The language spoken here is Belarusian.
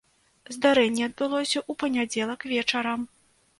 Здарэнне адбылося ў панядзелак вечарам.